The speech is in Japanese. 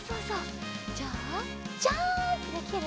じゃあジャンプできる？